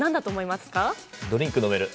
ドリンク飲める！